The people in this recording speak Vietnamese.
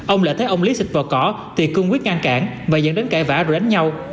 ông lại thấy ông lý xịt vào cỏ thì cương quyết ngăn cản và dẫn đến cãi vã rồi đánh nhau